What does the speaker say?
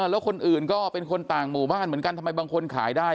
แล้วคนอื่นก็เป็นคนต่างหมู่บ้านเหมือนกันทำไมบางคนขายได้